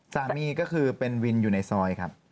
สามีก็คือเป็นวินอยู่ในซอยครับ